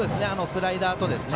スライダーと。